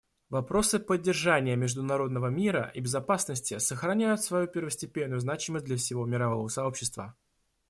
Вопросы поддержания международного мира и безопасности сохраняют свою первостепенную значимость для всего мирового сообщества.